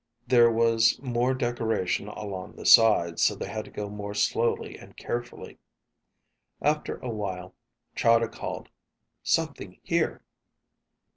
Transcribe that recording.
There was more decoration along the sides, so they had to go more slowly and carefully. After a while, Chahda called, "Something here."